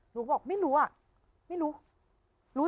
หนูก็บอกไม่รู้ไม่รู้